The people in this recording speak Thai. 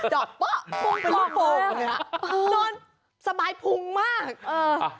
จอกป๊อกพุงกล่อมานอนสบายพุงมากเออ